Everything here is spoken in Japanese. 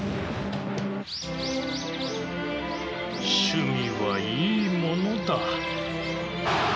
趣味はいいものだ。